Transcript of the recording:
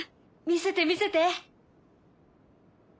見せて見せて。